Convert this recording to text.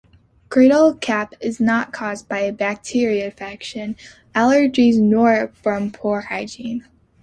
Cradle cap is not caused by a bacterial infection, allergy, nor from poor hygiene.